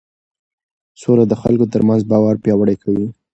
سوله د خلکو ترمنځ باور پیاوړی کوي